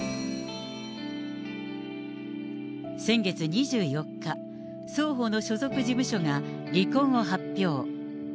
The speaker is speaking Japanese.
先月２４日、双方の所属事務所が離婚を発表。